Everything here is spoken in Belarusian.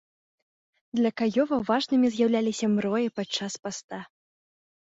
Для каёва важнымі з'яўляліся мроі падчас паста.